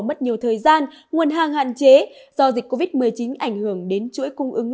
mất nhiều thời gian nguồn hàng hạn chế do dịch covid một mươi chín ảnh hưởng đến chuỗi cung ứng